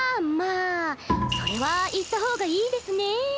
あそれは行った方がいいですねぇ。